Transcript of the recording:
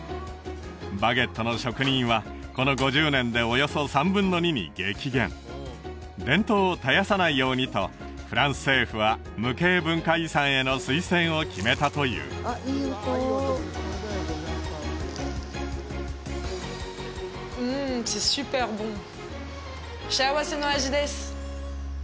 バゲットの職人はこの５０年でおよそ３分の２に激減伝統を絶やさないようにとフランス政府は無形文化遺産への推薦を決めたといううん幸せの味です